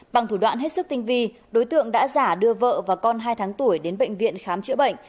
bằng thủ đoạn hết sức tinh vi đối tượng đã giả đưa vợ và con hai tháng tuổi đến bệnh viện khám chữa bệnh